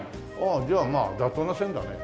じゃあまあ妥当な線だね。